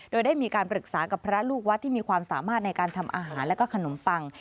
โดยได้มีการปรึกษากับพระลูกวัดที่มีความสามารถในการทำอาหารและขนมปัง